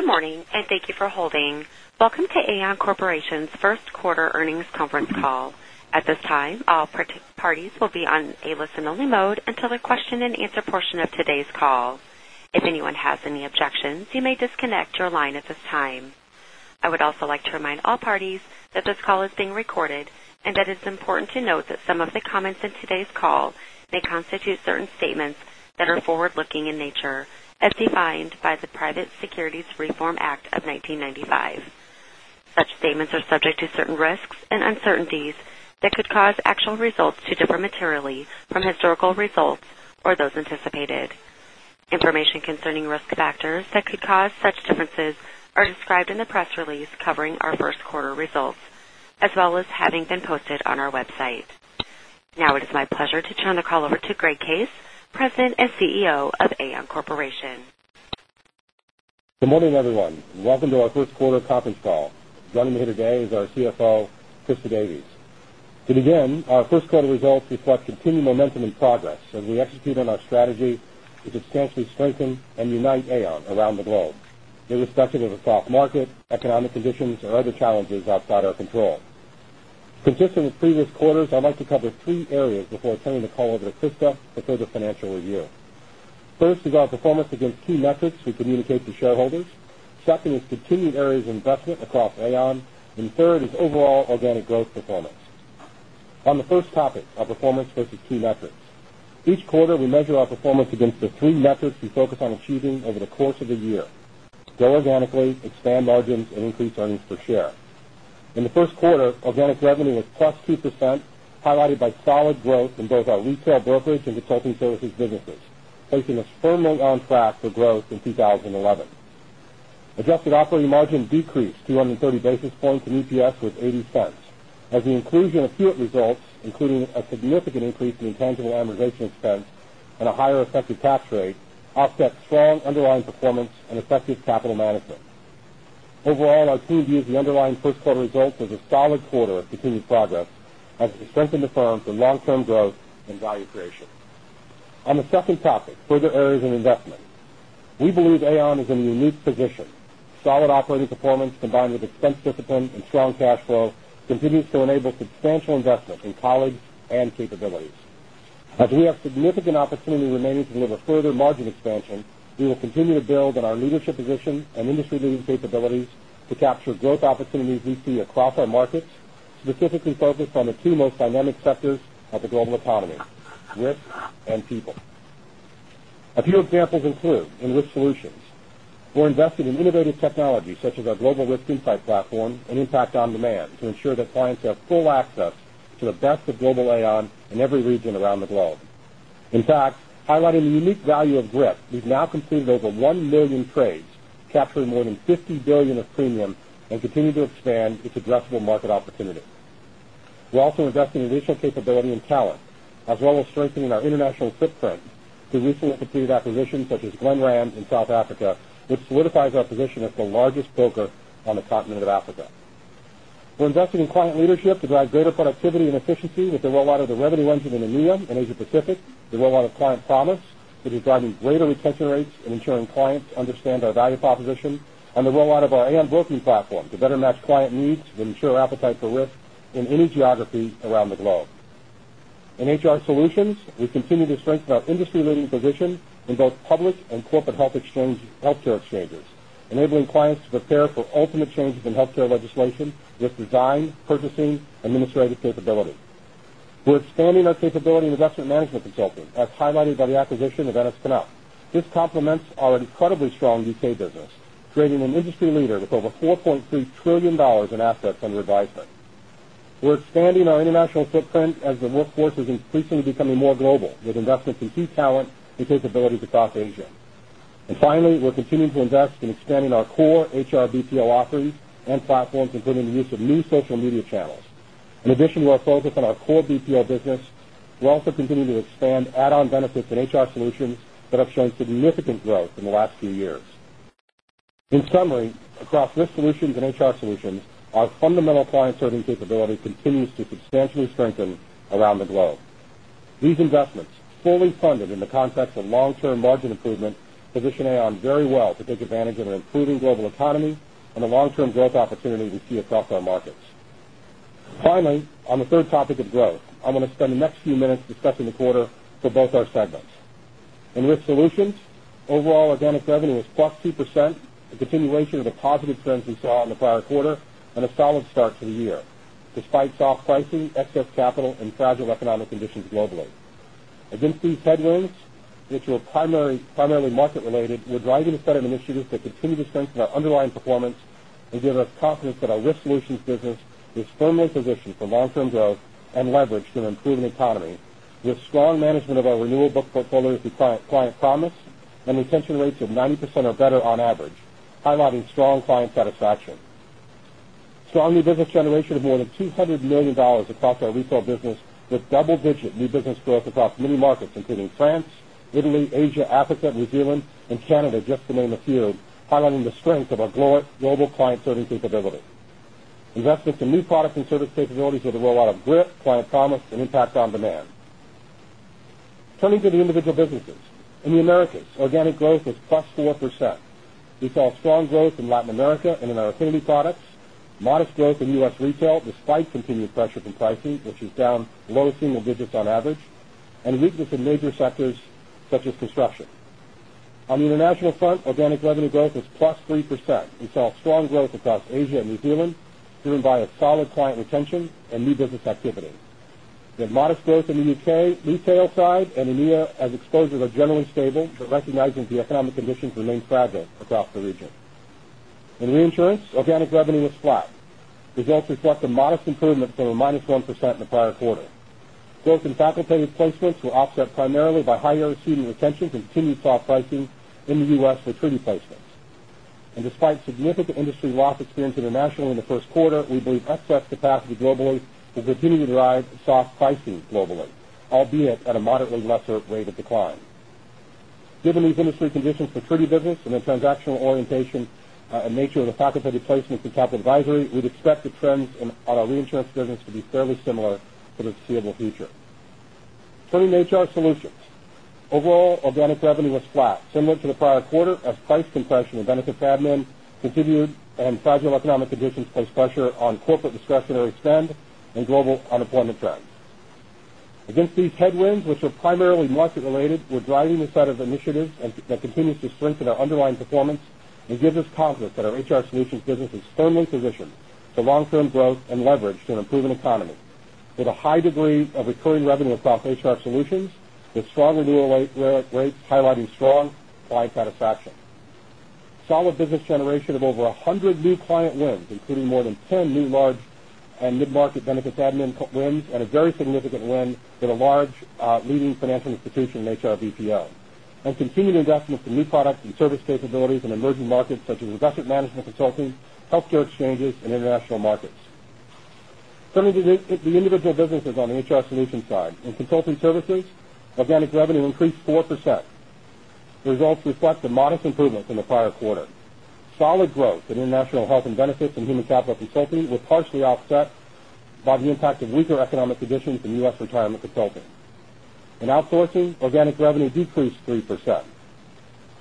Good morning, and thank you for holding. Welcome to Aon Corporation's first quarter earnings conference call. At this time, all parties will be on a listen-only mode until the question and answer portion of today's call. If anyone has any objections, you may disconnect your line at this time. I would also like to remind all parties that this call is being recorded and that it's important to note that some of the comments in today's call may constitute certain statements that are forward-looking in nature, as defined by the Private Securities Litigation Reform Act of 1995. Such statements are subject to certain risks and uncertainties that could cause actual results to differ materially from historical results or those anticipated. Information concerning risk factors that could cause such differences are described in the press release covering our first quarter results, as well as having been posted on our website. Now it is my pleasure to turn the call over to Greg Case, President and CEO of Aon Corporation. Good morning, everyone. Welcome to our first quarter conference call. Joining me today is our CFO, Christa Davies. To begin, our first quarter results reflect continued momentum and progress as we execute on our strategy to substantially strengthen and unite Aon around the globe, irrespective of a soft market, economic conditions, or other challenges outside our control. Consistent with previous quarters, I'd like to cover three areas before turning the call over to Christa for further financial review. First is our performance against key metrics we communicate to shareholders. Second is continued areas of investment across Aon. And third is overall organic growth performance. On the first topic, our performance versus key metrics. Each quarter, we measure our performance against the three metrics we focus on achieving over the course of the year: grow organically, expand margins, and increase earnings per share. In the first quarter, organic revenue was +2%, highlighted by solid growth in both our retail brokerage and consulting services businesses, placing us firmly on track for growth in 2011. Adjusted operating margin decreased 230 basis points, and EPS was $0.80, as the inclusion of Hewitt results, including a significant increase in intangible amortization expense and a higher effective tax rate, offset strong underlying performance and effective capital management. Overall, our team views the underlying first quarter results as a solid quarter of continued progress as we strengthen the firm for long-term growth and value creation. On the second topic, further areas of investment. We believe Aon is in a unique position. Solid operating performance, combined with expense discipline and strong cash flow, continues to enable substantial investment in colleagues and capabilities. As we have significant opportunity remaining to deliver further margin expansion, we will continue to build on our leadership position and industry-leading capabilities to capture growth opportunities we see across our markets, specifically focused on the two most dynamic sectors of the global economy, risk and people. A few examples include, in risk solutions, we're invested in innovative technology such as our Global Risk Insight Platform and ImpactOnDemand to ensure that clients have full access to the best of global Aon in every region around the globe. In fact, highlighting the unique value of GRIP, we've now completed over 1 million trades, capturing more than $50 billion of premium and continue to expand its addressable market opportunity. We're also investing in additional capability and talent, as well as strengthening our international footprint through recently completed acquisitions such as Glenrand in South Africa, which solidifies our position as the largest broker on the continent of Africa. We're investing in client leadership to drive greater productivity and efficiency with the rollout of the revenue engine in EMEA and Asia Pacific, the rollout of Client Promise, which is driving greater retention rates and ensuring clients understand our value proposition, and the rollout of our Aon Broking platform to better match client needs that ensure appetite for risk in any geography around the globe. In HR solutions, we continue to strengthen our industry-leading position in both public and corporate healthcare exchanges, enabling clients to prepare for ultimate changes in healthcare legislation with design, purchasing, and administrative capability. We're expanding our capability in investment management consulting, as highlighted by the acquisition of Ennis Knupp. This complements our incredibly strong U.K. business, creating an industry leader with over $4.3 trillion in assets under advisement. Finally, we're continuing to invest in expanding our core HR BPO offerings and platforms, including the use of new social media channels. In addition to our focus on our core BPO business, we're also continuing to expand add-on benefits in HR solutions that have shown significant growth in the last few years. In summary, across risk solutions and HR solutions, our fundamental client-serving capability continues to substantially strengthen around the globe. These investments, fully funded in the context of long-term margin improvement, position Aon very well to take advantage of an improving global economy and the long-term growth opportunity we see across our markets. Finally, on the third topic of growth, I'm going to spend the next few minutes discussing the quarter for both our segments. In risk solutions, overall organic revenue was +2%, a continuation of the positive trends we saw in the prior quarter and a solid start to the year, despite soft pricing, excess capital, and fragile economic conditions globally. Against these headwinds, which were primarily market-related, we're driving a set of initiatives that continue to strengthen our underlying performance and give us confidence that our risk solutions business is firmly positioned for long-term growth and leverage in an improving economy with strong management of our renewal book portfolios through Aon Client Promise and retention rates of 90% or better on average, highlighting strong client satisfaction. Strong new business generation of more than $200 million across our retail business, with double-digit new business growth across many markets, including France, Italy, Asia, Africa, New Zealand, and Canada, just to name a few, highlighting the strength of our global client-serving capability. Investments in new products and service capabilities with the rollout of GRIP, Aon Client Promise, and ImpactOnDemand. Turning to the individual businesses. In the Americas, organic growth was +4%. We saw strong growth in Latin America and in our affinity products, modest growth in U.S. retail despite continued pressure from pricing, which is down low single digits on average, and weakness in major sectors such as construction. On the international front, organic revenue growth was +3%. We saw strong growth across Asia and New Zealand, driven by a solid client retention and new business activity. We had modest growth in the U.K. retail side and EMEA, as exposures are generally stable, but recognizing the economic conditions remain fragile across the region. In reinsurance, organic revenue was flat. Results reflect a modest improvement from a -1% in the prior quarter. Growth in facultative placements were offset primarily by higher ceding retention, continued soft pricing in the U.S. for treaty placements. Despite significant industry loss experience internationally in the first quarter, we believe excess capacity globally will continue to drive soft pricing globally, albeit at a moderately lesser rate of decline. Given these industry conditions for treaty business and the transactional orientation and nature of the facultative placements and capital advisory, we'd expect the trends in our reinsurance business to be fairly similar for the foreseeable future. Turning to HR solutions. Overall, organic revenue was flat, similar to the prior quarter, as price compression and benefits admin continued and fragile economic conditions placed pressure on corporate discretionary spend and global unemployment trends. Against these headwinds, which are primarily market-related, we're driving a set of initiatives that continues to strengthen our underlying performance and gives us confidence that our HR solutions business is firmly positioned for long-term growth and leverage to an improving economy. With a high degree of recurring revenue across HR solutions, with strong renewal rates highlighting strong client satisfaction. Solid business generation of over 100 new client wins, including more than 10 new large and mid-market benefits admin wins and a very significant win with a large leading financial institution in HR BPO. Continued investments in new product and service capabilities in emerging markets such as investment management consulting, healthcare exchanges, and international markets. Turning to the individual businesses on the HR solutions side. In consulting services, organic revenue increased 4%. The results reflect a modest improvement from the prior quarter. Solid growth in international health and benefits and human capital consulting was partially offset by the impact of weaker economic conditions in U.S. retirement consulting. In outsourcing, organic revenue decreased 3%.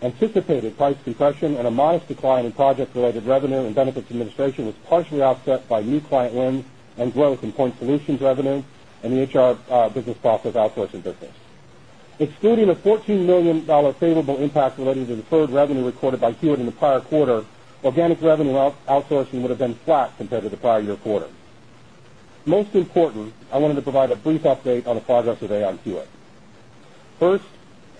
Anticipated price compression and a modest decline in project-related revenue and benefits administration was partially offset by new client wins and growth in point solutions revenue in the HR business process outsourcing business. Excluding a $14 million favorable impact related to deferred revenue recorded by Hewitt in the prior quarter, organic revenue outsourcing would have been flat compared to the prior year quarter. Most important, I wanted to provide a brief update on the progress of Aon Hewitt. First,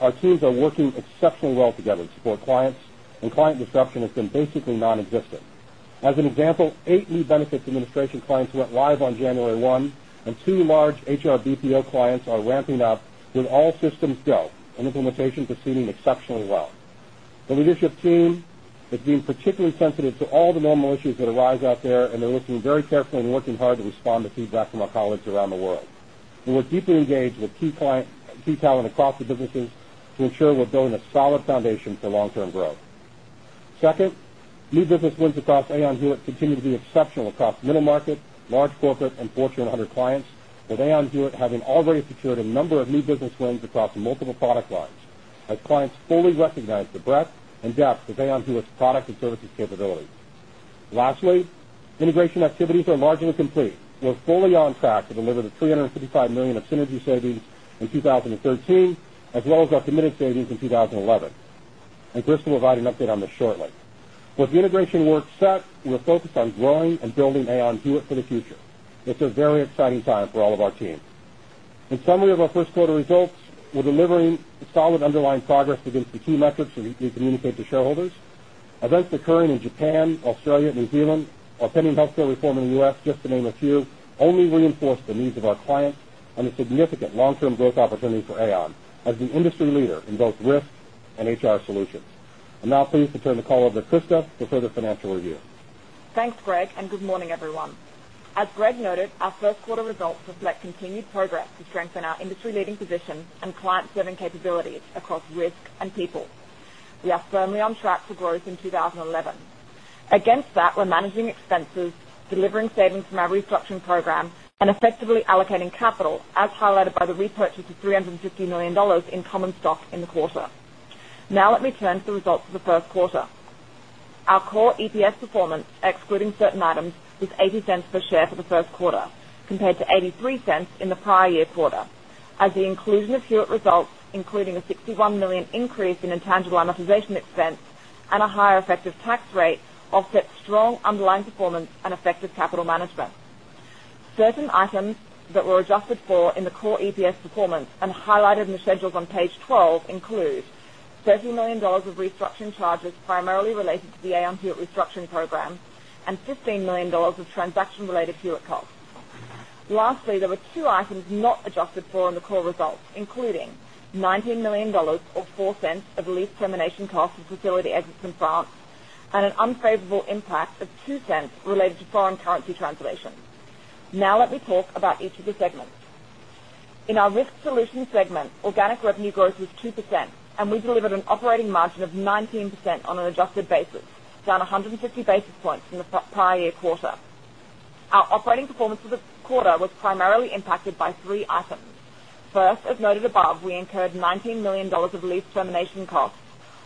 our teams are working exceptionally well together to support clients, client disruption has been basically nonexistent. As an example, eight new benefits administration clients went live on January 1, and two large HR BPO clients are ramping up with all systems go, and implementation proceeding exceptionally well. The leadership team has been particularly sensitive to all the normal issues that arise out there, and they are listening very carefully and working hard to respond to feedback from our colleagues around the world. We are deeply engaged with key talent across the businesses to ensure we are building a solid foundation for long-term growth. Second, new business wins across Aon Hewitt continue to be exceptional across middle market, large corporate, and Fortune 100 clients, with Aon Hewitt having already secured a number of new business wins across multiple product lines as clients fully recognize the breadth and depth of Aon Hewitt's product and services capabilities. Lastly, integration activities are largely complete. We are fully on track to deliver the $355 million of synergy savings in 2013, as well as our committed savings in 2011. Christa will provide an update on this shortly. With the integration work set, we are focused on growing and building Aon Hewitt for the future. It is a very exciting time for all of our teams. In summary of our first quarter results, we are delivering solid underlying progress against the key metrics that we communicate to shareholders. Events occurring in Japan, Australia, New Zealand, our pending healthcare reform in the U.S., just to name a few, only reinforce the needs of our clients and the significant long-term growth opportunity for Aon as the industry leader in both risk and HR solutions. I am now pleased to turn the call over to Christa for further financial review. Thanks, Greg, and good morning, everyone. As Greg noted, our first quarter results reflect continued progress to strengthen our industry-leading position and client-serving capabilities across risk and people. We are firmly on track for growth in 2011. Against that, we are managing expenses, delivering savings from our restructuring program, and effectively allocating capital, as highlighted by the repurchase of $350 million in common stock in the quarter. Now let me turn to the results for the first quarter. Our core EPS performance, excluding certain items, was $0.80 per share for the first quarter, compared to $0.83 in the prior year quarter, as the inclusion of Hewitt results, including a $61 million increase in intangible amortization expense and a higher effective tax rate, offset strong underlying performance and effective capital management. Certain items that were adjusted for in the core EPS performance and highlighted in the schedules on page 12 include $30 million of restructuring charges primarily related to the Aon Hewitt restructuring program and $15 million of transaction-related Hewitt costs. Lastly, there were two items not adjusted for in the core results, including $19 million, or $0.04, of lease termination costs of facility exits in France and an unfavorable impact of $0.02 related to foreign currency translation. Let me talk about each of the segments. In our Risk Solutions segment, organic revenue growth was 2%, and we delivered an operating margin of 19% on an adjusted basis, down 150 basis points from the prior year quarter. Our operating performance for the quarter was primarily impacted by three items. As noted above, we incurred $19 million of lease termination costs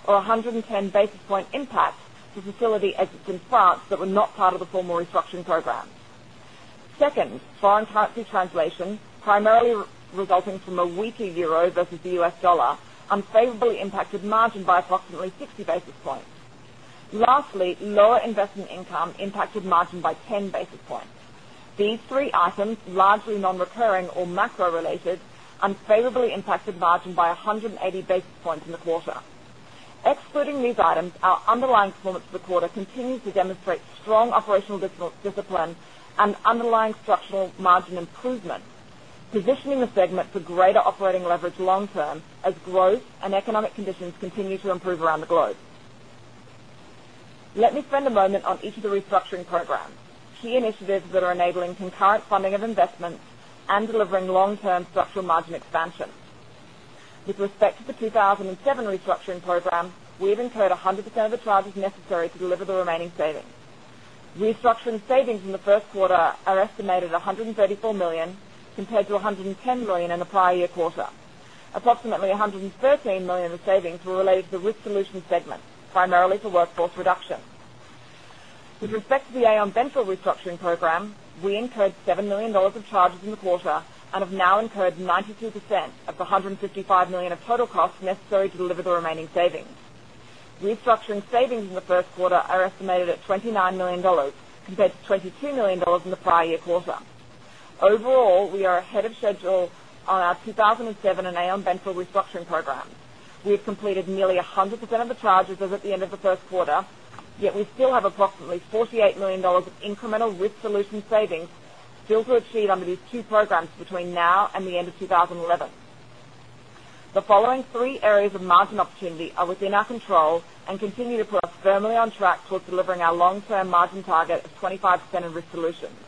or 110 basis point impact to facility exits in France that were not part of the formal restructuring program. Foreign currency translation, primarily resulting from a weaker euro versus the US dollar, unfavorably impacted margin by approximately 60 basis points. Lower investment income impacted margin by 10 basis points. These three items, largely non-recurring or macro related, unfavorably impacted margin by 180 basis points in the quarter. Excluding these items, our underlying performance for the quarter continues to demonstrate strong operational discipline and underlying structural margin improvement, positioning the segment for greater operating leverage long term as growth and economic conditions continue to improve around the globe. Let me spend a moment on each of the restructuring programs, key initiatives that are enabling concurrent funding of investments and delivering long-term structural margin expansion. With respect to the 2007 restructuring program, we have incurred 100% of the charges necessary to deliver the remaining savings. Restructuring savings in the first quarter are estimated $134 million, compared to $110 million in the prior year quarter. Approximately $113 million of savings were related to the Risk Solutions segment, primarily for workforce reduction. With respect to the Aon Benfield restructuring program, we incurred $7 million of charges in the quarter and have now incurred 92% of the $155 million of total costs necessary to deliver the remaining savings. Restructuring savings in the first quarter are estimated at $29 million, compared to $22 million in the prior year quarter. Overall, we are ahead of schedule on our 2007 and Aon Benfield restructuring programs. We have completed nearly 100% of the charges as at the end of the first quarter, yet we still have approximately $48 million of incremental Risk Solutions savings still to achieve under these two programs between now and the end of 2011. The following three areas of margin opportunity are within our control and continue to put us firmly on track towards delivering our long-term margin target of 25% in Risk Solutions.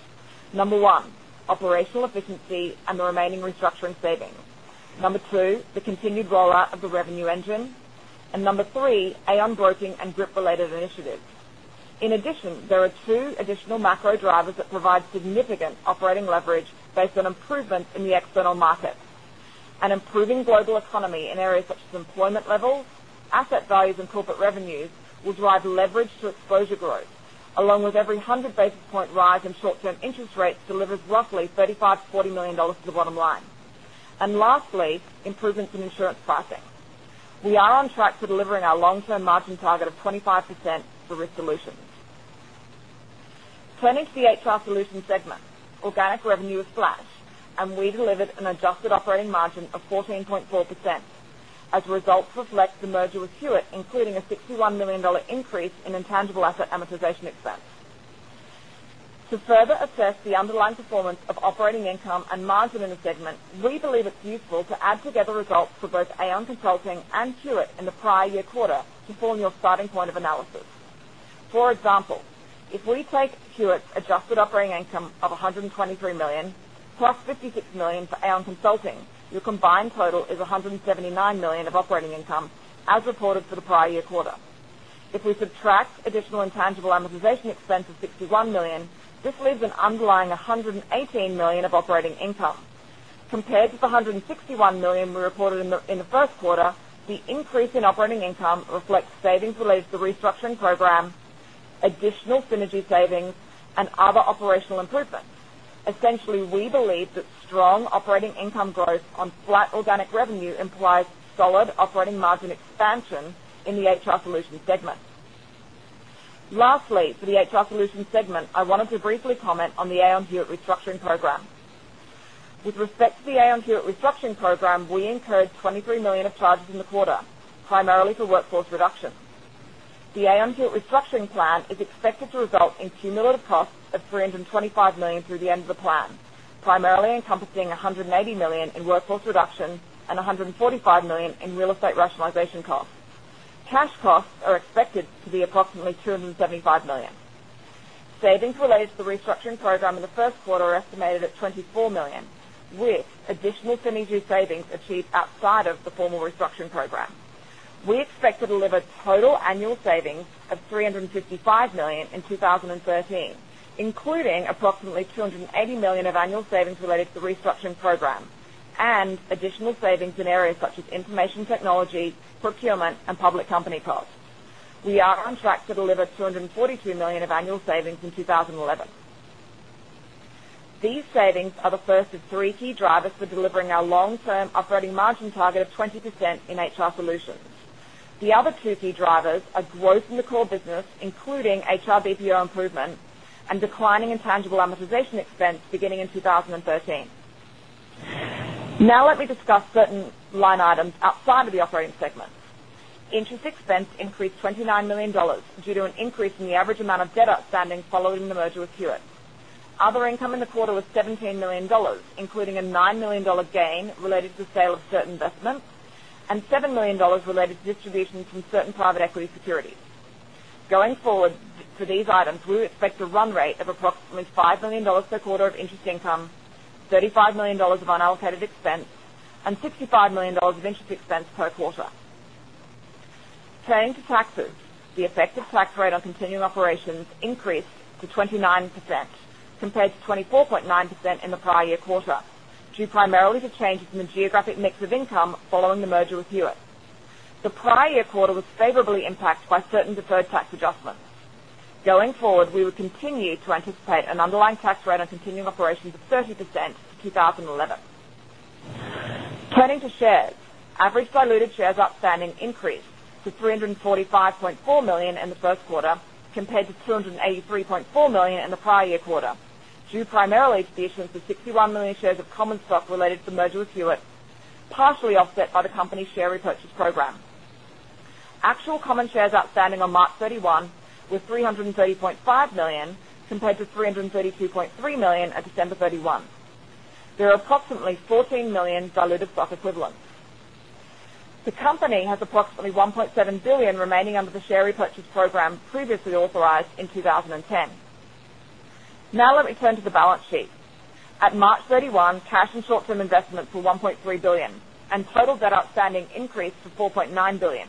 Number one, operational efficiency and the remaining restructuring savings. Number two, the continued rollout of the revenue engine. Number three, Aon Broking and GRIP related initiatives. In addition, there are two additional macro drivers that provide significant operating leverage based on improvements in the external market. An improving global economy in areas such as employment levels, asset values and corporate revenues will drive leverage to exposure growth, along with every 100 basis point rise in short-term interest rates delivers roughly $35 million to $40 million to the bottom line. Lastly, improvements in insurance pricing. We are on track to delivering our long-term margin target of 25% for Risk Solutions. Turning to the HR Solutions segment, organic revenue is flat, and we delivered an adjusted operating margin of 14.4%. As a result reflect the merger with Hewitt, including a $61 million increase in intangible asset amortization expense. To further assess the underlying performance of operating income and margin in the segment, we believe it's useful to add together results for both Aon Consulting and Hewitt in the prior year quarter to form your starting point of analysis. For example, if we take Hewitt's adjusted operating income of $123 million plus $56 million for Aon Consulting, your combined total is $179 million of operating income as reported for the prior year quarter. If we subtract additional intangible amortization expense of $61 million, this leaves an underlying $118 million of operating income. Compared to the $161 million we reported in the first quarter, the increase in operating income reflects savings related to the restructuring program, additional synergy savings, and other operational improvements. Essentially, we believe that strong operating income growth on flat organic revenue implies solid operating margin expansion in the HR Solutions segment. Lastly, for the HR Solutions segment, I wanted to briefly comment on the Aon Hewitt restructuring program. With respect to the Aon Hewitt restructuring program, we incurred $23 million of charges in the quarter, primarily for workforce reduction. The Aon Hewitt restructuring plan is expected to result in cumulative costs of $325 million through the end of the plan, primarily encompassing $180 million in workforce reduction and $145 million in real estate rationalization costs. Cash costs are expected to be approximately $275 million. Savings related to the restructuring program in the first quarter are estimated at $24 million, with additional synergy savings achieved outside of the formal restructuring program. We expect to deliver total annual savings of $355 million in 2013, including approximately $280 million of annual savings related to the restructuring program and additional savings in areas such as information technology, procurement, and public company costs. We are on track to deliver $242 million of annual savings in 2011. These savings are the first of three key drivers for delivering our long-term operating margin target of 20% in HR Solutions. The other two key drivers are growth in the core business, including HR BPO improvements and declining intangible amortization expense beginning in 2013. Let me discuss certain line items outside of the operating segment. Interest expense increased $29 million due to an increase in the average amount of debt outstanding following the merger with Hewitt. Other income in the quarter was $17 million, including a $9 million gain related to the sale of certain investments and $7 million related to distributions from certain private equity securities. Going forward for these items, we expect a run rate of approximately $5 million per quarter of interest income, $35 million of unallocated expense, and $65 million of interest expense per quarter. Turning to taxes, the effective tax rate on continuing operations increased to 29%, compared to 24.9% in the prior year quarter, due primarily to changes in the geographic mix of income following the merger with Hewitt. The prior year quarter was favorably impacted by certain deferred tax adjustments. Going forward, we will continue to anticipate an underlying tax rate on continuing operations of 30% in 2011. Turning to shares, average diluted shares outstanding increased to 345.4 million in the first quarter, compared to 283.4 million in the prior year quarter, due primarily to the issuance of 61 million shares of common stock related to the merger with Hewitt, partially offset by the company's share repurchase program. Actual common shares outstanding on March 31 were 330.5 million, compared to 332.3 million at December 31. There are approximately 14 million diluted stock equivalents. The company has approximately $1.7 billion remaining under the share repurchase program previously authorized in 2010. Let me turn to the balance sheet. At March 31, cash and short-term investments were $1.3 billion, and total debt outstanding increased to $4.9 billion.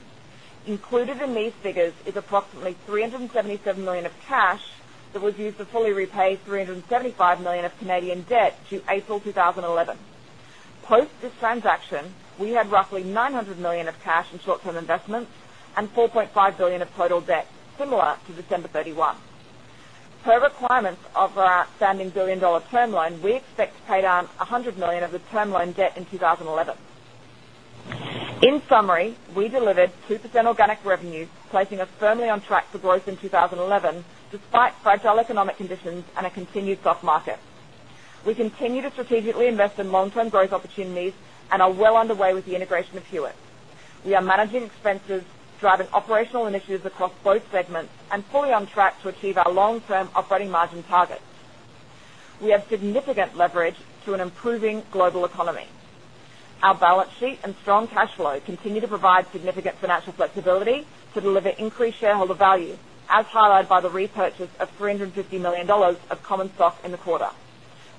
Included in these figures is approximately $377 million of cash that was used to fully repay $375 million of Canadian debt due April 2011. Post this transaction, we had roughly $900 million of cash and short-term investments and $4.5 billion of total debt, similar to December 31. Per requirements of our outstanding billion-dollar term loan, we expect to pay down $100 million of the term loan debt in 2011. In summary, we delivered 2% organic revenue, placing us firmly on track for growth in 2011, despite fragile economic conditions and a continued soft market. We continue to strategically invest in long-term growth opportunities and are well underway with the integration of Hewitt. We are managing expenses, driving operational initiatives across both segments, and fully on track to achieve our long-term operating margin targets. We have significant leverage to an improving global economy. Our balance sheet and strong cash flow continue to provide significant financial flexibility to deliver increased shareholder value, as highlighted by the repurchase of $350 million of common stock in the quarter.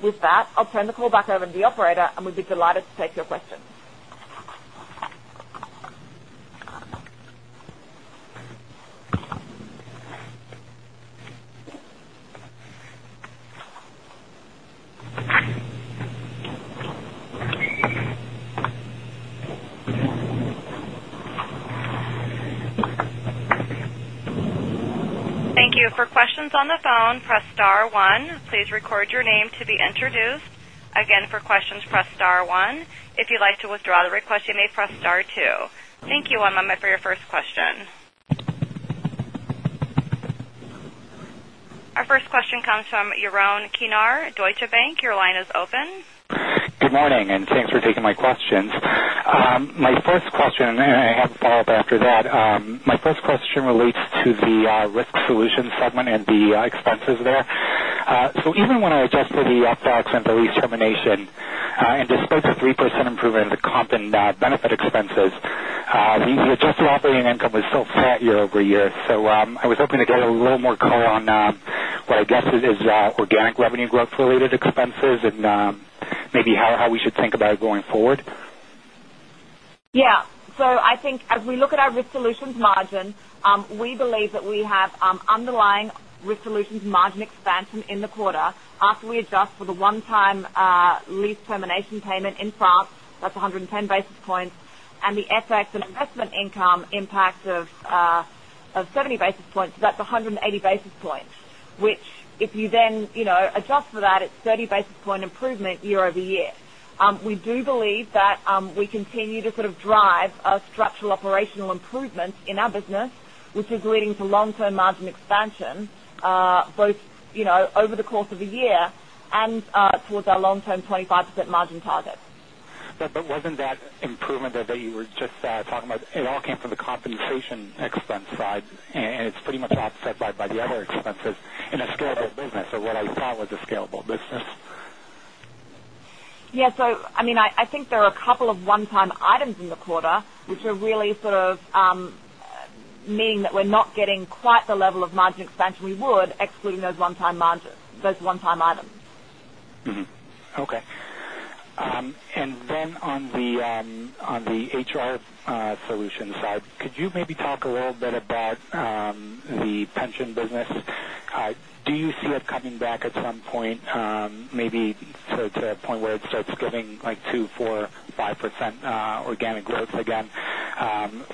With that, I'll turn the call back over to the operator. We'd be delighted to take your questions. Thank you. For questions on the phone, press star one. Please record your name to be introduced. Again, for questions, press star one. If you'd like to withdraw the request, you may press star two. Thank you. One moment for your first question. Our first question comes from Jeroen van-inwegen, Deutsche Bank. Your line is open. Good morning, and thanks for taking my questions. I have a follow-up after that. My first question relates to the Risk Solutions segment and the expenses there. Even when I adjust for the FX and the lease termination, and despite the 3% improvement in the comp and benefit expenses, the adjusted operating income was still flat year-over-year. I was hoping to get a little more color on what I guess is organic revenue growth-related expenses and maybe how we should think about it going forward. Yeah. I think as we look at our Risk Solutions margin, we believe that we have underlying Risk Solutions margin expansion in the quarter after we adjust for the one-time lease termination payment in France. That's 110 basis points, and the FX and investment income impact of 70 basis points. That's 180 basis points, which if you then adjust for that, it's 30 basis point improvement year-over-year. We do believe that we continue to drive structural operational improvements in our business, which is leading to long-term margin expansion both over the course of the year and towards our long-term 25% margin target. Wasn't that improvement that you were just talking about, it all came from the compensation expense side, and it's pretty much offset by the other expenses in a scalable business, or what I thought was a scalable business. Yeah. I think there are a couple of one-time items in the quarter, which are really sort of meaning that we're not getting quite the level of margin expansion we would, excluding those one-time items. Okay. Then on the HR solutions side, could you maybe talk a little bit about the pension business? Do you see it coming back at some point, maybe to a point where it starts giving 2%, 4%, 5% organic growth again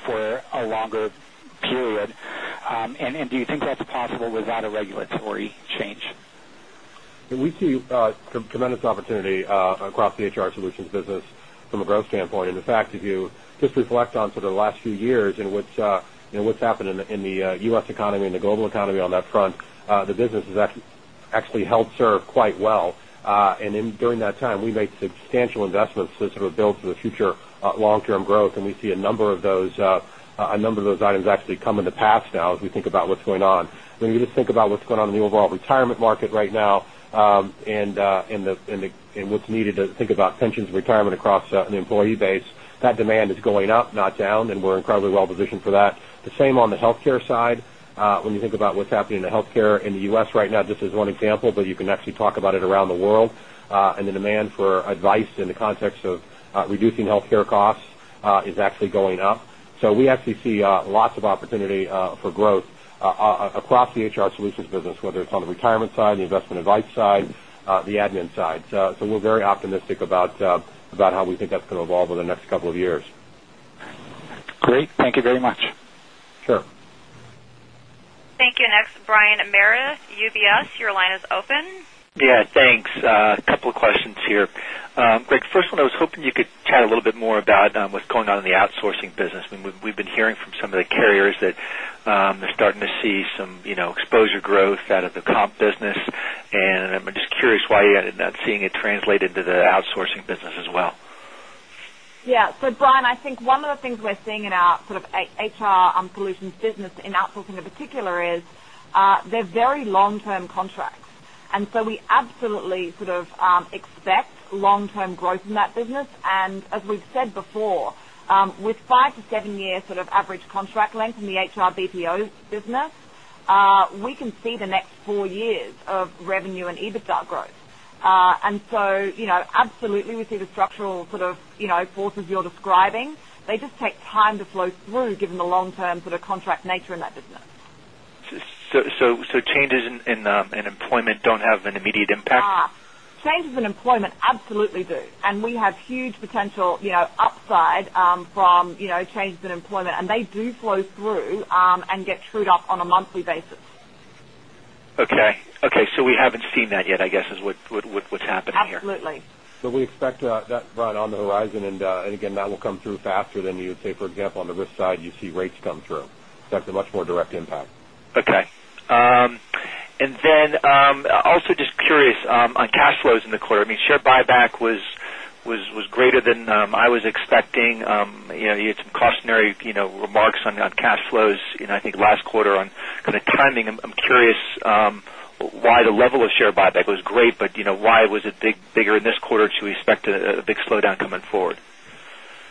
for a longer period? Do you think that's possible without a regulatory change? We see tremendous opportunity across the HR solutions business from a growth standpoint. The fact, if you just reflect on sort of the last few years and what's happened in the U.S. economy and the global economy on that front, the business has actually held serve quite well. During that time, we made substantial investments to sort of build for the future long-term growth, and we see a number of those items actually come into pass now as we think about what's going on. When you just think about what's going on in the overall retirement market right now, and what's needed to think about pensions and retirement across an employee base, that demand is going up, not down, and we're incredibly well-positioned for that. The same on the healthcare side. When you think about what's happening in the healthcare in the U.S. right now, this is one example, but you can actually talk about it around the world, and the demand for advice in the context of reducing healthcare costs is actually going up. We actually see lots of opportunity for growth across the HR solutions business, whether it's on the retirement side, the investment advice side, the admin side. We're very optimistic about how we think that's going to evolve over the next couple of years. Great. Thank you very much. Sure. Thank you. Next, Brian Meredith, UBS, your line is open. Yeah, thanks. A couple of questions here. Greg, first one, I was hoping you could chat a little bit more about what's going on in the outsourcing business. We've been hearing from some of the carriers that are starting to see some exposure growth out of the comp business. I'm just curious why you're not seeing it translated to the outsourcing business as well. Yeah. Brian, I think one of the things we're seeing in our HR solutions business in outsourcing in particular is, they're very long-term contracts. We absolutely sort of expect long-term growth in that business. As we've said before, with five to seven years sort of average contract length in the HR BPO business, we can see the next four years of revenue and EBITDA growth. Absolutely, we see the structural forces you're describing. They just take time to flow through, given the long-term contract nature in that business. Changes in employment don't have an immediate impact? Changes in employment absolutely do. We have huge potential upside from changes in employment. They do flow through and get trued up on a monthly basis. Okay. We haven't seen that yet, I guess is what's happening here. Absolutely. We expect that, Brian, on the horizon, and again, that will come through faster than you would say, for example, on the risk side, you see rates come through. That's a much more direct impact. Okay. Also just curious, on cash flows in the quarter, share buyback was greater than I was expecting. You had some cautionary remarks on cash flows, I think last quarter on kind of timing. I'm curious why the level of share buyback was great, but why was it bigger in this quarter? Should we expect a big slowdown coming forward?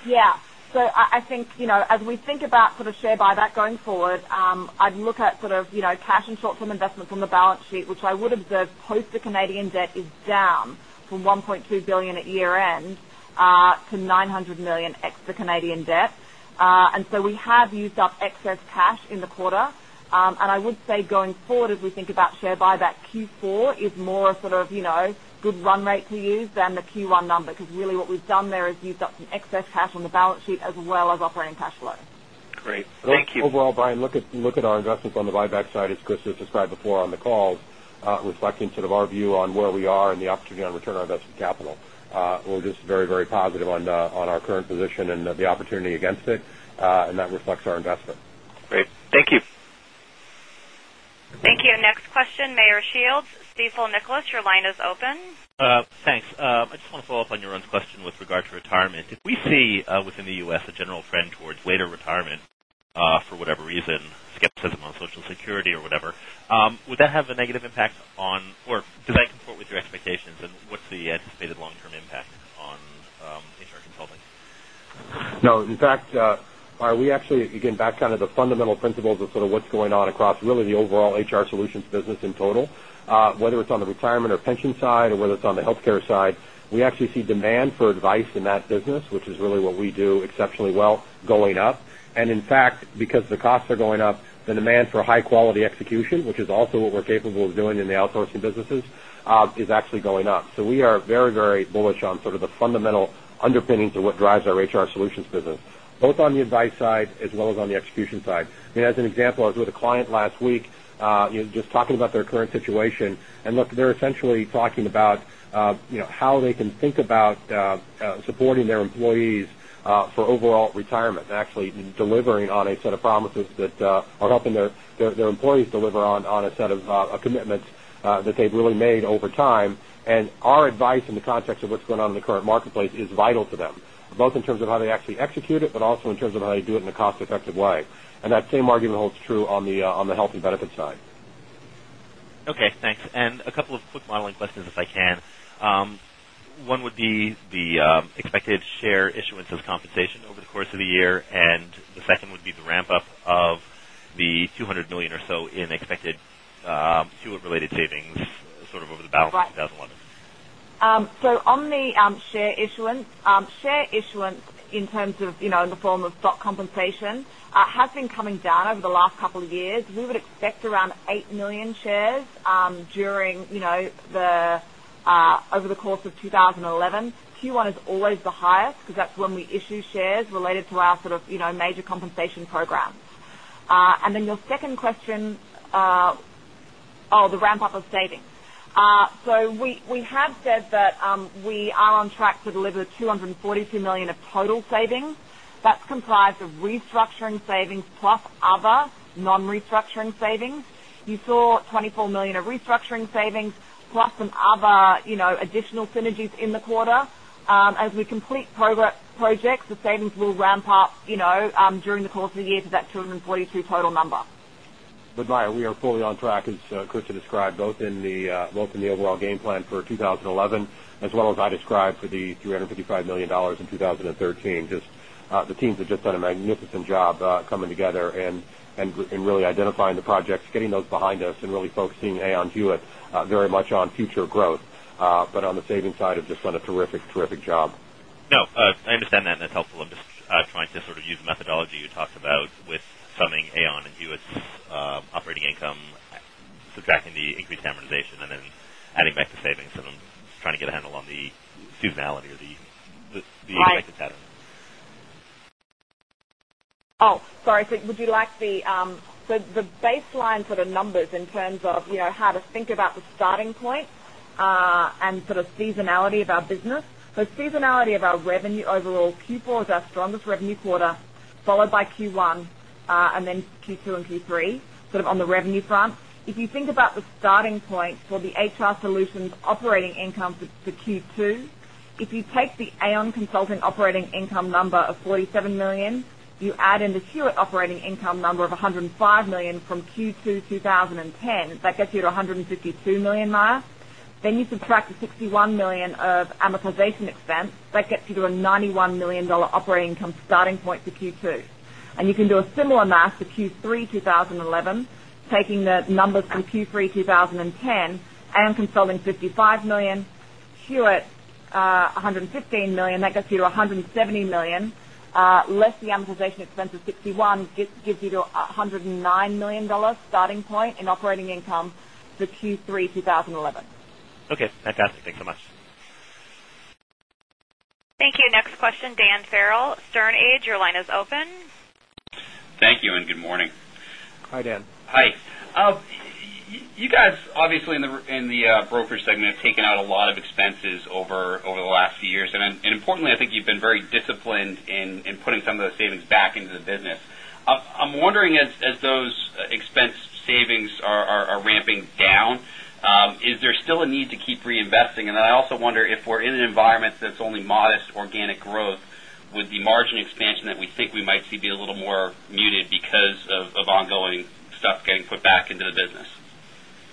Yeah. I think, as we think about share buyback going forward, I'd look at cash and short-term investments on the balance sheet, which I would observe post the Canadian debt is down from $1.2 billion at year-end, to $900 million ex the Canadian debt. We have used up excess cash in the quarter. I would say going forward, as we think about share buyback, Q4 is more a good run rate to use than the Q1 number, because really what we've done there is used up some excess cash on the balance sheet as well as operating cash flow. Great. Thank you. Overall, Brian, look at our investments on the buyback side, as Christa described before on the calls, reflecting our view on where we are and the opportunity on return on invested capital. We're just very positive on our current position and the opportunity against it. That reflects our investment. Great. Thank you. Thank you. Next question, Meyer Shields, Stifel Nicolaus, your line is open. Thanks. I just want to follow up on Jeroen's question with regard to retirement. If we see, within the U.S., a general trend towards later retirement, for whatever reason, skepticism on Social Security or whatever, would that have a negative impact on, or does that comport with your expectations, and what's the anticipated long-term impact on HR consulting? No. In fact, we actually, again, back to the fundamental principles of what's going on across really the overall HR solutions business in total, whether it's on the retirement or pension side, or whether it's on the healthcare side, we actually see demand for advice in that business, which is really what we do exceptionally well, going up. In fact, because the costs are going up, the demand for high-quality execution, which is also what we're capable of doing in the outsourcing businesses, is actually going up. We are very bullish on the fundamental underpinnings of what drives our HR solutions business, both on the advice side as well as on the execution side. As an example, I was with a client last week, just talking about their current situation, look, they're essentially talking about how they can think about supporting their employees for overall retirement and actually delivering on a set of promises that are helping their employees deliver on a set of commitments that they've really made over time. Our advice in the context of what's going on in the current marketplace is vital to them, both in terms of how they actually execute it, but also in terms of how they do it in a cost-effective way. That same argument holds true on the health and benefits side. Okay, thanks. A couple of quick modeling questions, if I can. One would be the expected share issuance as compensation over the course of the year, and the second would be the ramp-up of the $200 million or so in expected Hewitt-related savings over the balance of 2011. On the share issuance. Share issuance in the form of stock compensation, has been coming down over the last couple of years. We would expect around 8 million shares over the course of 2011. Q1 is always the highest because that's when we issue shares related to our major compensation programs. Your second question, the ramp-up of savings. We have said that we are on track to deliver $242 million of total savings. That's comprised of restructuring savings plus other non-restructuring savings. You saw $24 million of restructuring savings plus some other additional synergies in the quarter. As we complete projects, the savings will ramp up during the course of the year to that $242 million total number. Brian, we are fully on track, as Christa described, both in the overall game plan for 2011, as well as I described for the $355 million in 2013. The teams have just done a magnificent job coming together and really identifying the projects, getting those behind us, and really focusing Aon Hewitt very much on future growth. On the savings side have just done a terrific job. No, I understand that and that's helpful. I'm just trying to use the methodology you talked about with summing Aon and Hewitt's operating income, subtracting the increased amortization, and then adding back the savings. I'm just trying to get a handle on the seasonality or the expected pattern. Would you like the baseline sort of numbers in terms of how to think about the starting point, and sort of seasonality of our business? Seasonality of our revenue overall, Q4 is our strongest revenue quarter, followed by Q1, and then Q2 and Q3, sort of on the revenue front. If you think about the starting point for the HR Solutions operating income for Q2, if you take the Aon Consulting operating income number of $47 million, you add in the Hewitt operating income number of $105 million from Q2 2010, that gets you to $152 million mark. You subtract the $61 million of amortization expense. That gets you to a $91 million operating income starting point for Q2. You can do a similar math for Q3 2011, taking the numbers from Q3 2010, Aon Consulting, $55 million, Hewitt, $115 million. That gets you to $170 million, less the amortization expense of $61 million gives you to $109 million starting point in operating income for Q3 2011. Okay, fantastic. Thanks so much. Thank you. Next question, Dan Farrell, Sterne Agee, your line is open. Thank you and good morning. Hi, Dan. Hi. You guys obviously in the brokerage segment, have taken out a lot of expenses over the last few years. Importantly, I think you've been very disciplined in putting some of those savings back into the business. I'm wondering as those expense savings are ramping down, is there still a need to keep reinvesting? Then I also wonder if we're in an environment that's only modest organic growth, would the margin expansion that we think we might see be a little more muted because of ongoing stuff getting put back into the business?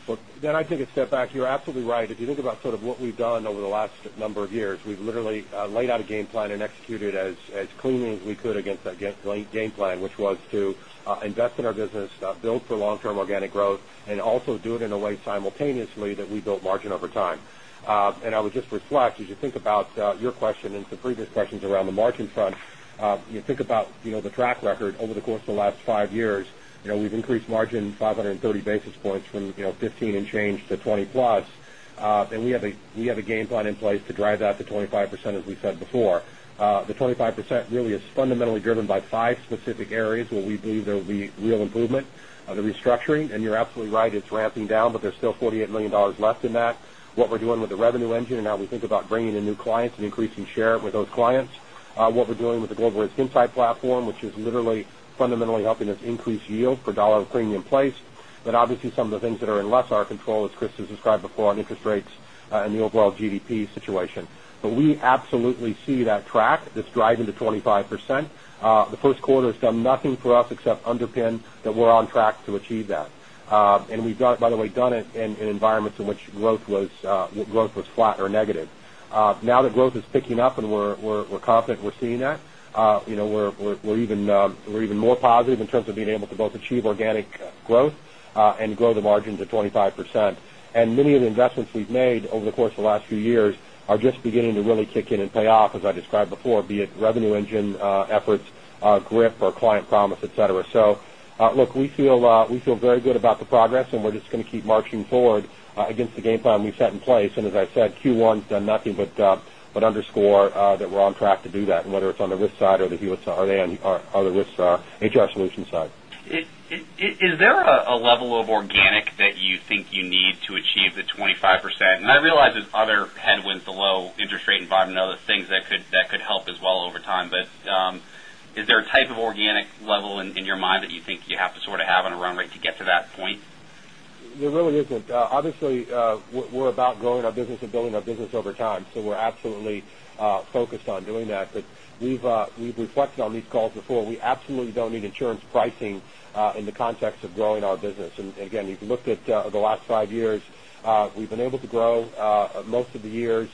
Look, Dan, I take a step back. You're absolutely right. If you think about sort of what we've done over the last number of years, we've literally laid out a game plan and executed as cleanly as we could against that game plan, which was to invest in our business, build for long-term organic growth, and also do it in a way simultaneously that we built margin over time. I would just reflect, as you think about your question and some previous questions around the margin front, you think about the track record over the course of the last five years. We've increased margin 530 basis points from 15 and change to 20 plus. We have a game plan in place to drive that to 25%, as we said before. The 25% really is fundamentally driven by five specific areas where we believe there will be real improvement. The restructuring, and you're absolutely right, it's ramping down, but there's still $48 million left in that. What we're doing with the revenue engine and how we think about bringing in new clients and increasing share with those clients. What we're doing with the Global Risk Insight Platform, which is literally fundamentally helping us increase yield per dollar of premium placed. Obviously some of the things that are in less our control, as Christa has described before, on interest rates, and the overall GDP situation. We absolutely see that track that's driving to 25%. The first quarter has done nothing for us except underpin that we're on track to achieve that. We've, by the way, done it in environments in which growth was flat or negative. Now that growth is picking up and we're confident we're seeing that, we're even more positive in terms of being able to both achieve organic growth, and grow the margin to 25%. Many of the investments we've made over the course of the last few years are just beginning to really kick in and pay off, as I described before, be it revenue engine efforts, GRIP or Client Promise, et cetera. Look, we feel very good about the progress, and we're just going to keep marching forward against the game plan we've set in place. As I said, Q1 has done nothing but underscore that we're on track to do that, and whether it's on the risk side or the Hewitt side or the risk HR solution side. Is there a level of organic that you think you need to achieve the 25%? I realize there's other headwinds, the low interest rate environment and other things that could help as well over time. Is there a type of organic level in your mind that you think you have to sort of have on a run rate to get to that point? There really isn't. Obviously, we're about growing our business and building our business over time. We're absolutely focused on doing that. We've reflected on these calls before. We absolutely don't need insurance pricing, in the context of growing our business. Again, you can look at the last five years, we've been able to grow, most of the years.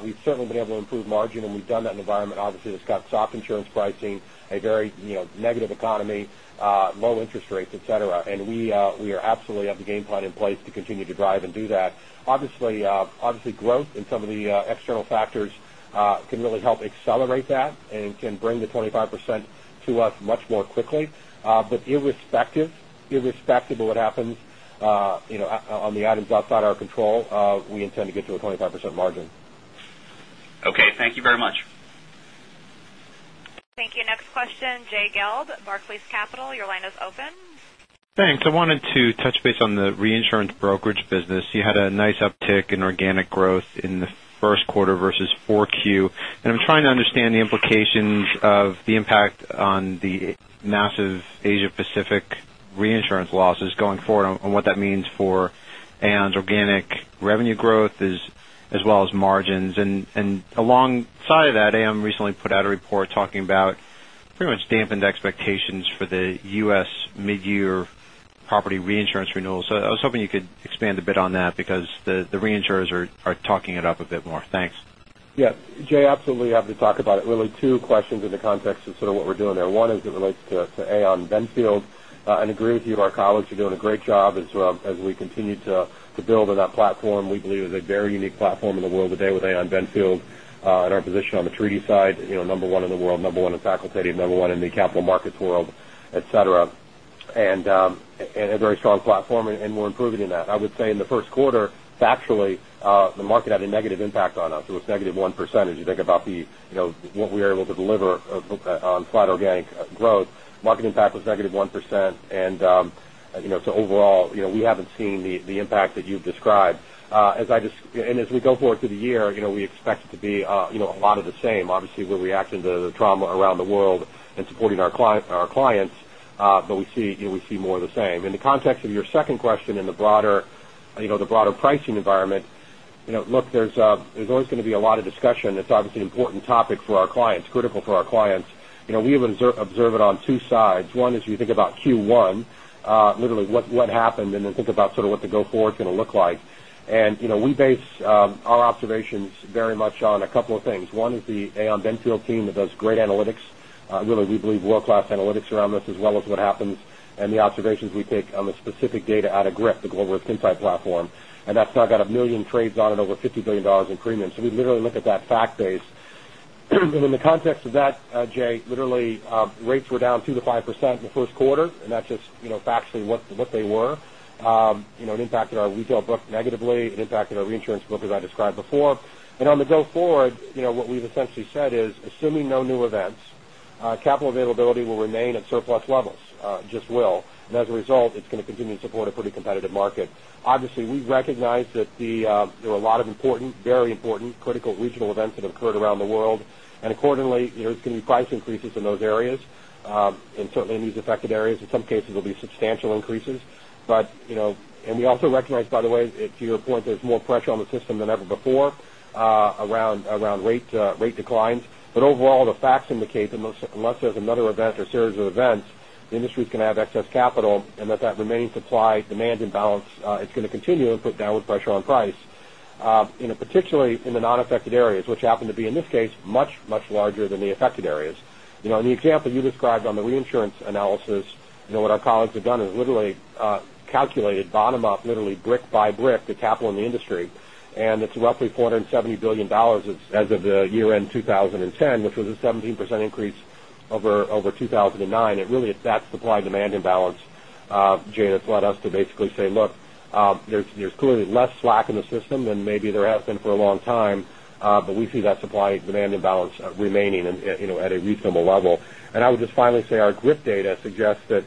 We've certainly been able to improve margin, and we've done that in an environment, obviously, that's got soft insurance pricing, a very negative economy, low interest rates, et cetera. We absolutely have the game plan in place to continue to drive and do that. Obviously, growth in some of the external factors can really help accelerate that and can bring the 25% to us much more quickly. Irrespective of what happens on the items outside our control, we intend to get to a 25% margin. Okay. Thank you very much. Thank you. Next question, Jay Gelb, Barclays Capital, your line is open. Thanks. I wanted to touch base on the reinsurance brokerage business. You had a nice uptick in organic growth in the first quarter versus 4Q. I'm trying to understand the implications of the impact on the massive Asia-Pacific reinsurance losses going forward and what that means for Aon's organic revenue growth as well as margins. Alongside of that, Aon recently put out a report talking about pretty much dampened expectations for the U.S. mid-year property reinsurance renewal. I was hoping you could expand a bit on that because the reinsurers are talking it up a bit more. Thanks. Yes. Jay, absolutely have to talk about it. Really two questions in the context of what we're doing there. One is it relates to Aon Benfield. Agree with you, our colleagues are doing a great job as we continue to build on that platform. We believe is a very unique platform in the world today with Aon Benfield, and our position on the treaty side, number one in the world, number one in facultative, number one in the capital markets world, et cetera. A very strong platform, and we're improving in that. I would say in the first quarter, factually, the market had a negative impact on us. It was negative 1% as you think about what we were able to deliver on flat organic growth. Market impact was negative 1%. Overall, we haven't seen the impact that you've described. As we go forward through the year, we expect it to be a lot of the same. Obviously, we're reacting to the trauma around the world and supporting our clients, but we see more of the same. In the context of your second question in the broader pricing environment, look, there's always going to be a lot of discussion. It's obviously an important topic for our clients, critical for our clients. We observe it on two sides. One is you think about Q1, literally what happened, and then think about sort of what the go forward's going to look like. We base our observations very much on a couple of things. One is the Aon Benfield team that does great analytics. Really, we believe world-class analytics around this as well as what happens and the observations we take on the specific data out of GRIP, the Global Risk Insight Platform. That's now got 1 million trades on it, over $50 billion in premiums. We literally look at that fact base. In the context of that, Jay, literally, rates were down 2% to 5% in the first quarter, and that's just factually what they were. It impacted our retail book negatively. It impacted our reinsurance book as I described before. On the go forward, what we've essentially said is assuming no new events, capital availability will remain at surplus levels, it just will. As a result, it's going to continue to support a pretty competitive market. Obviously, we recognize that there were a lot of important, very important critical regional events that have occurred around the world. Accordingly, there's going to be price increases in those areas. Certainly in these affected areas, in some cases, there'll be substantial increases. We also recognize, by the way, to your point, there's more pressure on the system than ever before around rate declines. Overall, the facts indicate unless there's another event or series of events, the industry is going to have excess capital, and that remains supply, demand imbalance. It's going to continue and put downward pressure on price. Particularly in the non-affected areas, which happen to be, in this case, much, much larger than the affected areas. In the example you described on the reinsurance analysis, what our colleagues have done is literally calculated bottom up, literally brick by brick, the capital in the industry. It's roughly $470 billion as of the year-end 2010, which was a 17% increase over 2009. It really is that supply-demand imbalance, Jay, that's led us to basically say, look, there's clearly less slack in the system than maybe there has been for a long time. We see that supply-demand imbalance remaining at a reasonable level. I would just finally say our GRIP data suggests that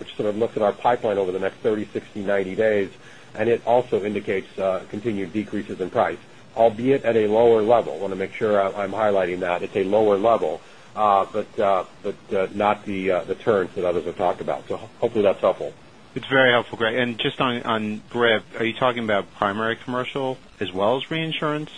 if you sort of look at our pipeline over the next 30, 60, 90 days, it also indicates continued decreases in price, albeit at a lower level. Want to make sure I'm highlighting that. It's a lower level, but not the turns that others have talked about. Hopefully that's helpful. It's very helpful, Greg. Just on GRIP, are you talking about primary commercial as well as reinsurance?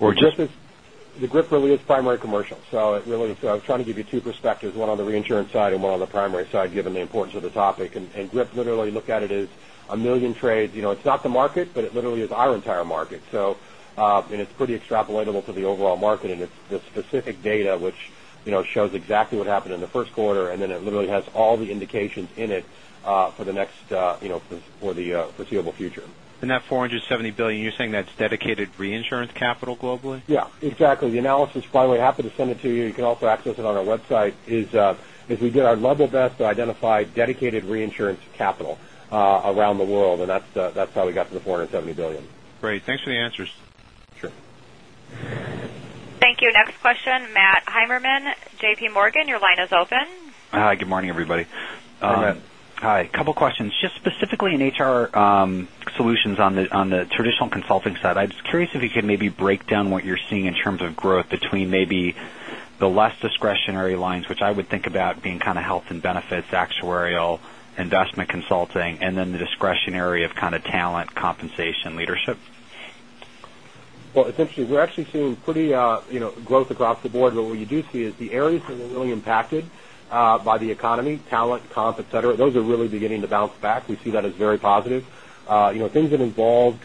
The GRIP really is primary commercial. I was trying to give you two perspectives, one on the reinsurance side and one on the primary side, given the importance of the topic. GRIP literally look at it as 1 million trades. It's not the market, but it literally is our entire market. It's pretty extrapolatable to the overall market. It's the specific data which shows exactly what happened in the first quarter, then it literally has all the indications in it for the foreseeable future. That $470 billion, you're saying that's dedicated reinsurance capital globally? Yeah, exactly. The analysis, finally, happy to send it to you. You can also access it on our website, is we did our level best to identify dedicated reinsurance capital around the world. That's how we got to the $470 billion. Great. Thanks for the answers. Sure. Thank you. Next question, Matt Heimermann, JPMorgan, your line is open. Hi. Good morning, everybody. Hey, Matt. Hi. Couple questions. Just specifically in HR solutions on the traditional consulting side, I'm just curious if you could maybe break down what you're seeing in terms of growth between maybe the less discretionary lines, which I would think about being kind of health and benefits, actuarial, investment consulting, and then the discretionary of kind of talent, compensation, leadership. Essentially, we're actually seeing growth across the board. What you do see is the areas that are really impacted by the economy, talent, comp, et cetera, those are really beginning to bounce back. We see that as very positive. Things that involved,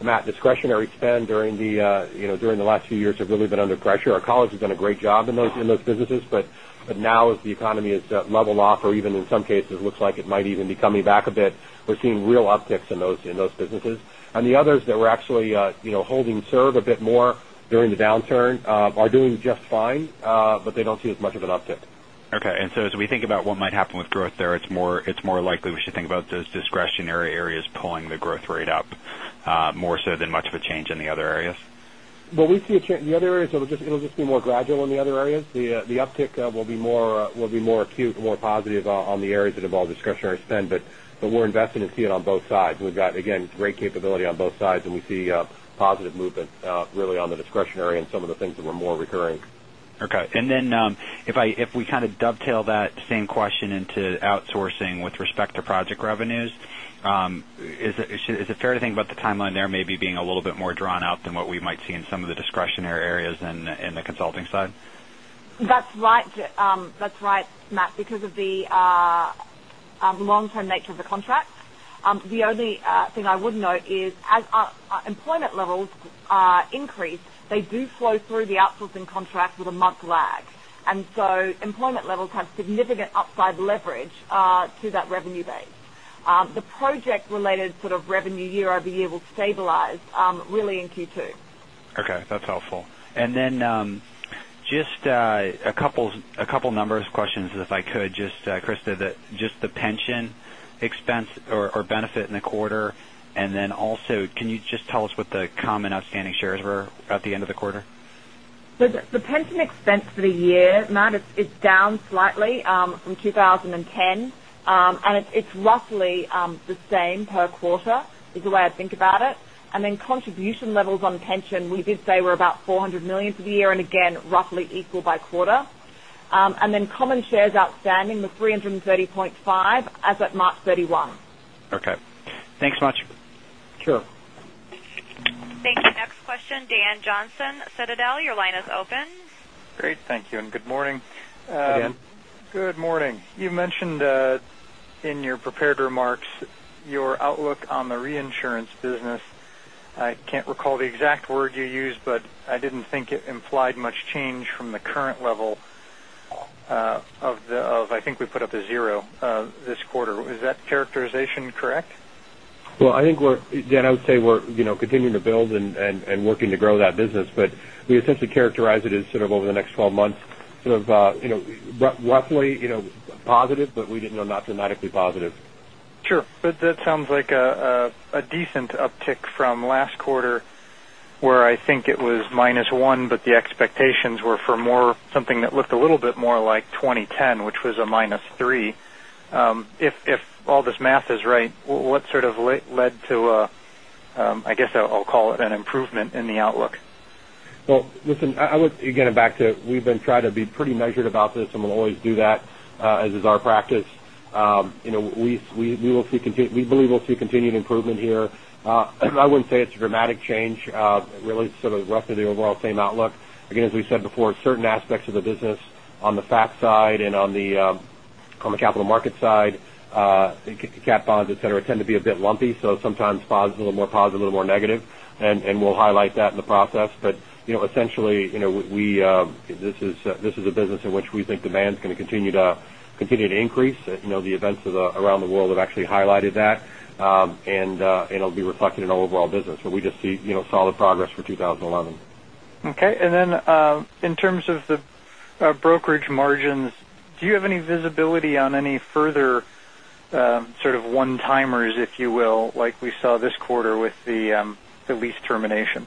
Matt, discretionary spend during the last few years have really been under pressure. Our colleagues have done a great job in those businesses. Now as the economy has leveled off, or even in some cases looks like it might even be coming back a bit, we're seeing real upticks in those businesses. The others that were actually holding serve a bit more during the downturn are doing just fine, but they don't see as much of an uptick. Okay. As we think about what might happen with growth there, it's more likely we should think about those discretionary areas pulling the growth rate up more so than much of a change in the other areas? We see a change in the other areas. It'll just be more gradual in the other areas. The uptick will be more acute and more positive on the areas that involve discretionary spend. We're invested and see it on both sides. We've got, again, great capability on both sides, we see positive movement really on the discretionary and some of the things that were more recurring. Okay. If we kind of dovetail that same question into outsourcing with respect to project revenues, is it fair to think about the timeline there maybe being a little bit more drawn out than what we might see in some of the discretionary areas in the consulting side? That's right, Matt, because of the long-term nature of the contracts. The only thing I would note is as our employment levels increase, they do flow through the outsourcing contract with a month lag. Employment levels have significant upside leverage to that revenue base. The project-related sort of revenue year-over-year will stabilize really in Q2. Okay, that's helpful. Just a couple of numbers questions, if I could, just Christa, just the pension expense or benefit in the quarter, and then also, can you just tell us what the common outstanding shares were at the end of the quarter? The pension expense for the year, Matt, it's down slightly from 2010. It's roughly the same per quarter, is the way I think about it. Contribution levels on pension, we did say were about $400 million for the year, and again, roughly equal by quarter. Common shares outstanding was 330.5 as at March 31. Okay. Thanks much. Sure. Thank you. Next question, Dan Johnson, Citadel, your line is open. Great. Thank you. Good morning. Hi, Dan. Good morning. You mentioned in your prepared remarks your outlook on the reinsurance business. I cannot recall the exact word you used, but I did not think it implied much change from the current level of the, I think we put up a 0 this quarter. Is that characterization correct? I think we are, Dan, I would say we are continuing to build and working to grow that business. We essentially characterize it as sort of over the next 12 months, sort of roughly positive, but [we did not note it as significantly positive]. Sure. That sounds like a decent uptick from last quarter, where I think it was minus 1, the expectations were for more, something that looked a little bit more like 2010, which was a minus 3. If all this math is right, what sort of led to a, I guess I will call it an improvement in the outlook? Listen, I would, again, back to we have been trying to be pretty measured about this, we will always do that as is our practice. We believe we will see continued improvement here. I would not say it is a dramatic change. It really is sort of roughly the overall same outlook. Again, as we said before, certain aspects of the business on the fact side and on the capital market side, cat bonds, et cetera, tend to be a bit lumpy. Sometimes a little more positive, a little more negative. We will highlight that in the process. Essentially, this is a business in which we think demand is going to continue to increase. The events around the world have actually highlighted that. It will be reflected in our overall business. We just see solid progress for 2011. Okay. Then in terms of the brokerage margins, do you have any visibility on any further sort of one-timers, if you will, like we saw this quarter with the lease termination?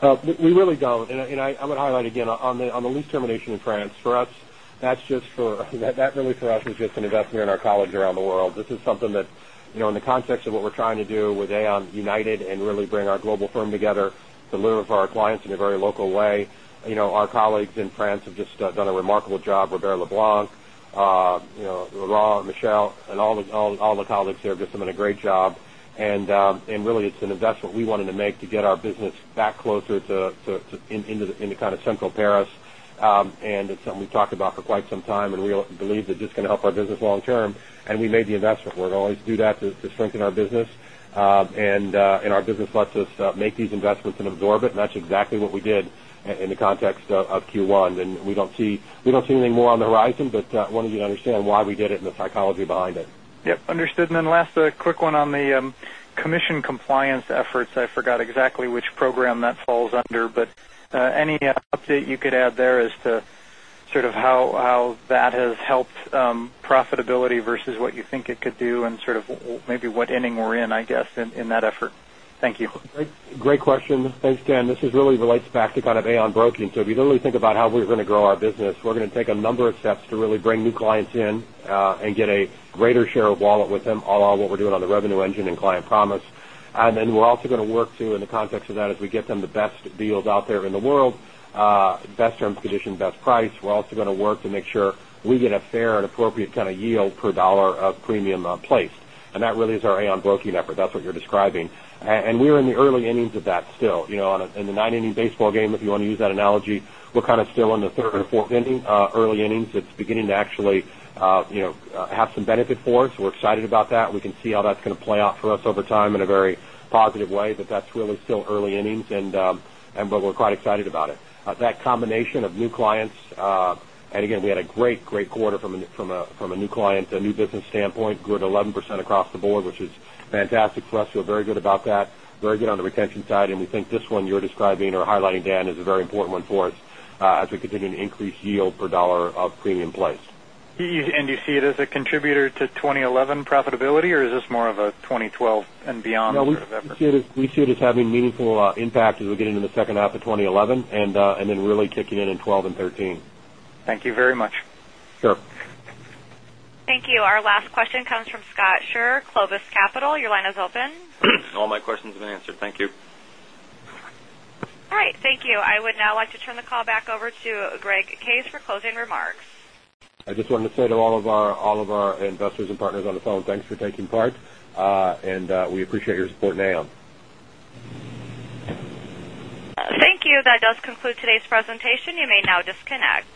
We really don't. I would highlight again on the lease termination in France, for us, that really for us is just an investment in our colleagues around the world. This is something that in the context of what we're trying to do with Aon United and really bring our global firm together to deliver for our clients in a very local way. Our colleagues in France have just done a remarkable job with Robert Leblanc. Laurent, Michel, and all the colleagues there have just done a great job. Really it's an investment we wanted to make to get our business back closer into kind of central Paris. It's something we've talked about for quite some time, and we believe that this is going to help our business long term. We made the investment. We're going to always do that to strengthen our business. Our business lets us make these investments and absorb it, and that's exactly what we did in the context of Q1. We don't see anything more on the horizon, but wanted you to understand why we did it and the psychology behind it. Yep, understood. Then last quick one on the commission compliance efforts. I forgot exactly which program that falls under, but any update you could add there as to sort of how that has helped profitability versus what you think it could do and sort of maybe what inning we're in, I guess, in that effort? Thank you. Great question. Thanks, Dan. This really relates back to kind of Aon Broking. If you really think about how we're going to grow our business, we're going to take a number of steps to really bring new clients in and get a greater share of wallet with them, a la what we're doing on the revenue engine and Client Promise. We're also going to work to, in the context of that, is we get them the best deals out there in the world, best terms, conditions, best price. We're also going to work to make sure we get a fair and appropriate kind of yield per dollar of premium placed. That really is our Aon Broking effort. That's what you're describing. We're in the early innings of that still. In the nine-inning baseball game, if you want to use that analogy, we're kind of still in the third or fourth inning, early innings. It's beginning to actually have some benefit for us. We're excited about that. We can see how that's going to play out for us over time in a very positive way. That's really still early innings, but we're quite excited about it. That combination of new clients, again, we had a great quarter from a new client, a new business standpoint, grew it 11% across the board, which is fantastic for us. Feel very good about that. Very good on the retention side, we think this one you're describing or highlighting, Dan, is a very important one for us as we continue to increase yield per dollar of premium placed. Do you see it as a contributor to 2011 profitability, or is this more of a 2012 and beyond sort of effort? No, we see it as having meaningful impact as we get into the second half of 2011 and then really kicking in in 2012 and 2013. Thank you very much. Sure. Thank you. Our last question comes from Scott Scher, Clovis Capital. Your line is open. All my questions have been answered. Thank you. All right. Thank you. I would now like to turn the call back over to Greg Case for closing remarks. I just wanted to say to all of our investors and partners on the phone, thanks for taking part. We appreciate your support in Aon. Thank you. That does conclude today's presentation. You may now disconnect.